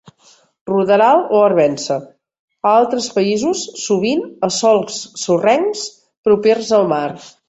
Ruderal o arvense; a altres països sovint a sòls sorrencs propers al mar.